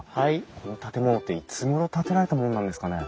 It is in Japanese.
この建物っていつごろ建てられたものなんですかね？